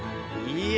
いや！